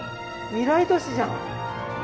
未来都市じゃん。